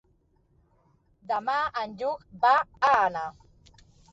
Demà en Lluc va a Anna.